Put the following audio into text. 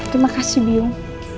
terima kasih biung